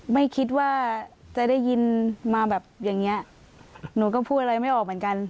ไม่คิดว่าจะได้ยินมาแบบอย่างเงี้ยหนูก็พูดอะไรไม่ออกเหมือนกัน